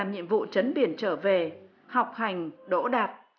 học hành đỗ đạt